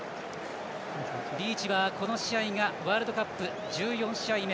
リーチは、この試合がワールドカップ１４試合目。